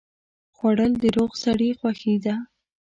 خوړل د روغ سړي خوښي ده